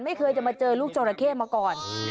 ไม่เคยจะมาเจอลูกจราเข้มาก่อน